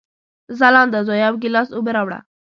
ځلانده زویه، یو ګیلاس اوبه راوړه!